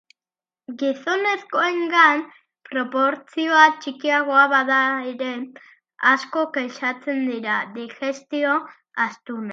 Gizonezkoengan proportzioa txikiagoa bada ere, asko kexatzen dira digestio astunez.